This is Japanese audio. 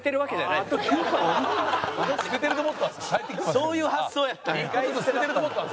そういう発想やったんや。